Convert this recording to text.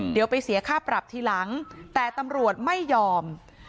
เดี๋ยวไปเสียค่าปรับทีหลังแต่ตำรวจไม่ยอม